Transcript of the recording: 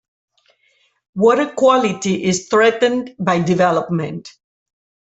Water quality is threatened by development.